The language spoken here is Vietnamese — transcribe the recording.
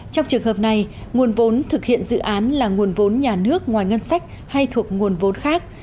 trong trường hợp này nguồn vốn thực hiện dự án là nguồn vốn nhà nước ngoài ngân sách hay thuộc nguồn vốn khác